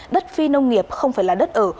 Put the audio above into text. đất phi nông nghiệp không phải là đất ở